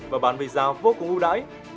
và bán về giao vô cùng ưu đãi